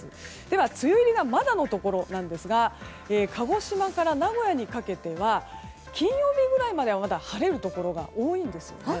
では、梅雨入りがまだのところですが鹿児島から名古屋にかけては金曜日ぐらいまではまだ晴れるところが多いんです。